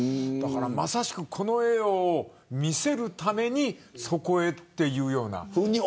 この映像を見せるためにそこへというような。